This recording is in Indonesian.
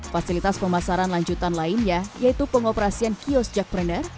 fasilitas pemasaran lanjutan lainnya yaitu pengoperasian kios jackpreneur